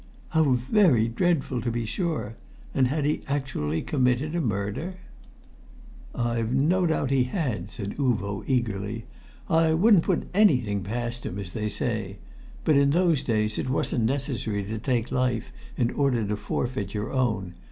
"How very dreadful, to be sure! And had he actually committed a murder?" "I've no doubt he had," said Uvo, eagerly. "I wouldn't put anything past him, as they say; but in those days it wasn't necessary to take life in order to forfeit your own.